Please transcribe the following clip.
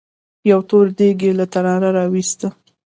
يو تور دېګ يې له تناره راوېست.